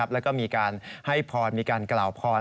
แล้วก็มีการให้พรมีการกล่าวพร